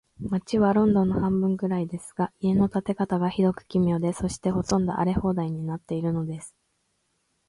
街はロンドンの半分くらいですが、家の建て方が、ひどく奇妙で、そして、ほとんど荒れ放題になっているのです。